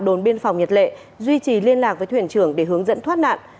đồn biên phòng nhật lệ duy trì liên lạc với thuyền trưởng để hướng dẫn thoát nạn